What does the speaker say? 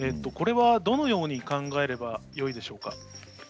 これはどのように考えればよいでしょうか？